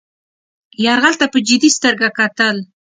یرغل ته په جدي سترګه کتل.